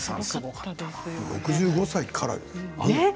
６５歳からよ？